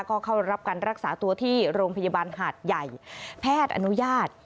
ก็เข้ารับการรักษาตัวที่โรงพยาบาลหาดใหญ่แพทย์อนุญาต